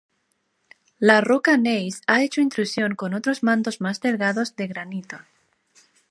La roca gneis ha hecho intrusión con otros mantos más delgados de granito.